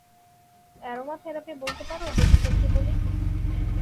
Aromatherapy বলতে পারো, যদি সত্যি বলি।